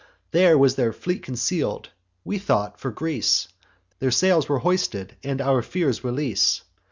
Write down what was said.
There was their fleet conceal'd. We thought, for Greece Their sails were hoisted, and our fears release.